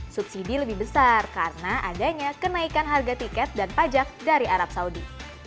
subsidi lebih besar karena adanya kenaikan harga tiket dan pajak dari arab saudi